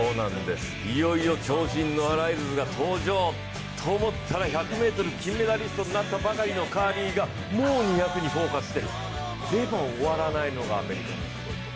いよいよ超人ノア・ライルズが登場と思ったらと思ったら１００ｍ金メダリストになったばかりのカーリーがもう２００にフォーカスしてでも終わらないのがアメリカ。